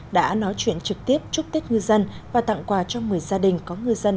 đã nói chuyện trực tiếp chúc tết ngư dân và tặng quà cho một mươi gia đình có ngư dân